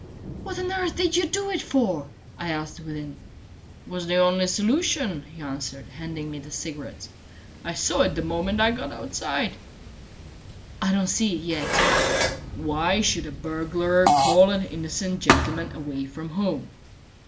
"What on earth did you do it for?" I asked within. "It was the only solution," he answered, handing me the cigarettes. "I saw it the moment I got outside." "I don't see it yet." "Why should a burglar call an innocent gentleman away from home?"